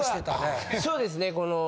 そうですね。